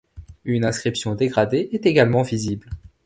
Une inscription dégradée est également visible.